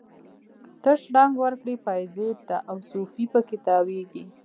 ته شرنګ ورکړي پایزیب ته، او صوفي په کې تاویږي